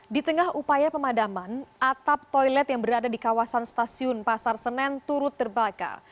di tengah upaya pemadaman atap toilet yang berada di kawasan stasiun pasar senen turut terbakar